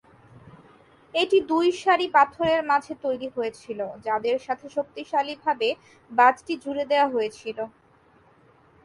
এটি দুই সারি পাথরের মাঝে তৈরী হয়েছিল, যাদের সাথে শক্তিশালী ভাবে বাঁধ টি জুড়ে দেয়া হয়েছিল।